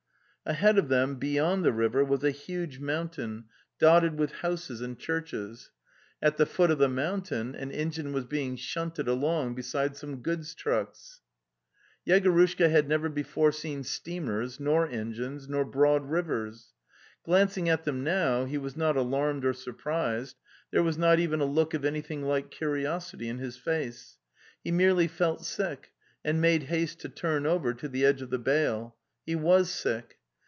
Ahead of them, beyond the river, was a huge mountain The Steppe 285 dotted with houses and churches; at the foot of the mountain an engine was being shunted along beside some goods trucks. . Yegorushka had never before seen steamers, nor engines, nor broad rivers. Glancing at them now, he was not alarmed or surprised; there was not even a look of anything like curiosity in his face. He merely felt sick, and made haste to turn over to the edge of the bale. He was sick.